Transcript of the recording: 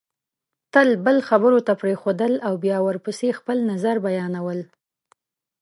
تل بل خبرو ته پرېښودل او بیا ورپسې خپل نظر بیانول